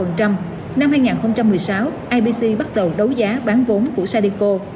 năm hai nghìn một mươi sáu ibc bắt đầu đấu giá bán vốn của sadeco